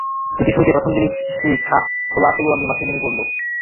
British মিডিয়াও প্রথম দিন শেষেই খাপ খোলা তলোয়ার নিয়ে মাঠে নেমে পড়ল।